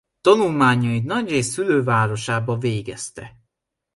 Tanulmányait nagyrészt szülővárosában végezte.